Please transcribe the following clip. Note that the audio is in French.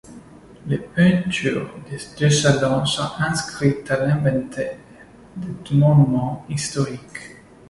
Les peintures des deux salons sont inscrites à l'inventaire des monuments historiques.